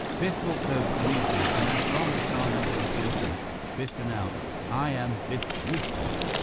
Biff walked over to meet him and as Barma Shah nodded a greeting, Biff announced, "I am Biff Brewster."